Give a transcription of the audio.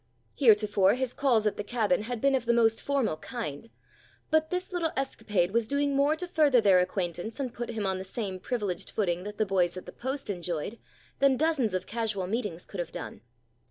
Heretofore his calls at the Cabin had been of the most formal kind; but this little escapade was doing more to further their acquaintance and put him on the same privileged footing that the boys at the Post enjoyed, than dozens of casual meetings could have done.